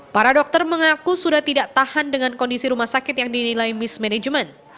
para dokter mengaku sudah tidak tahan dengan kondisi rumah sakit yang dinilai mismanagement